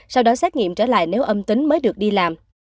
sau đó xét nghiệm trở lại nếu âm tính mới được đi làm